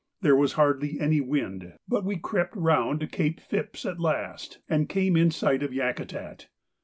There was hardly any wind, but we crept round Cape Phipps at last, and came in sight of Yakutat.